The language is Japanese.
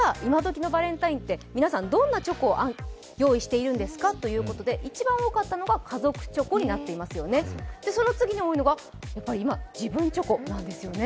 今どきのバレンタインって皆さんどんなチョコを用意していますかということで一番多いのが家族チョコで、その次に多いのが今、自分チョコなんですよね。